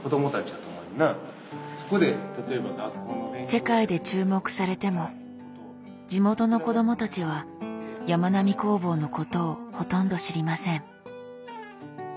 世界で注目されても地元の子どもたちはやまなみ工房のことをほとんど知りません。